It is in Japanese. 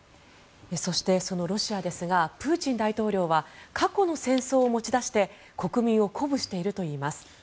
そしてそのロシアですがプーチン大統領は過去の戦争を持ち出して国民を鼓舞しているといいます。